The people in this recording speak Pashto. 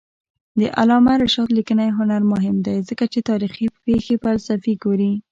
د علامه رشاد لیکنی هنر مهم دی ځکه چې تاریخي پېښې فلسفي ګوري.